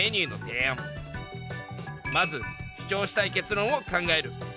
まず主張したい結論を考える。